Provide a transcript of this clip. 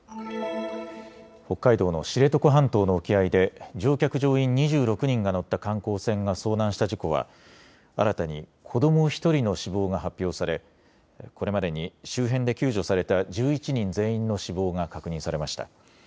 北海道の知床半島の沖合で乗客・乗員２６人が乗った観光船が遭難した事故は新たに子ども１人の死亡が発表され、これまでに周辺で救助された１１人全員の死亡が確認されました。